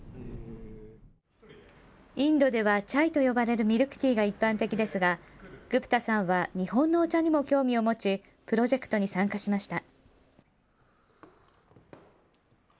インドではチャイと呼ばれるミルクティーが一般的ですがグプタさんは日本のお茶にも興味を持ちプロジェクトに参加しました。